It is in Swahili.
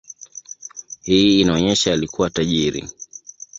Hii inaonyesha alikuwa tajiri.